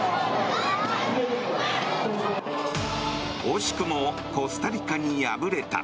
惜しくもコスタリカに敗れた。